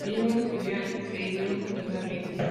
Dilthey estudió en Heidelberg y Berlín.